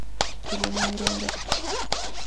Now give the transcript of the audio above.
Tuli mu mirembe kati.